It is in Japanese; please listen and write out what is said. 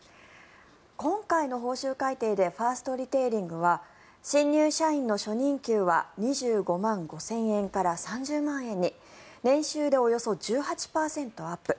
今回の報酬改定でファーストリテイリングは新入社員の初任給は２５万５０００円から３０万円に年収でおよそ１８％アップ。